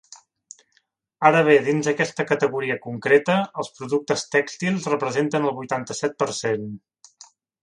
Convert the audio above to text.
Ara bé, dins aquesta categoria concreta els productes tèxtils representen el vuitanta-set per cent.